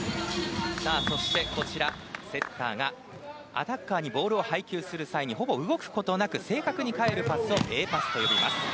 そして、セッターがアタッカーにボールを配球する際ほぼ動くことなく正確に返るパスをＡパスといいます。